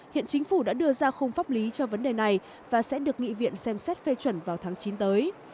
hiện chính phủ đã đưa ra khung pháp lý cho vấn đề này và sẽ được nghị viện xem xét phê chuẩn vào tháng chín tới